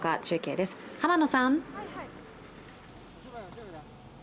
中継です、濱野さん。